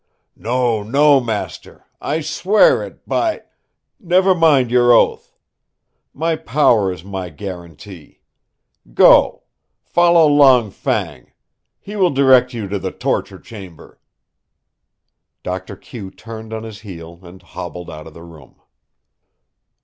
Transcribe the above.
"No, no, master, I swear it by " "Never mind your oath. My power is my guaranty. Go follow Long Fang. He will direct you to the torture chamber." Doctor Q turned on his heel and hobbled out of the room.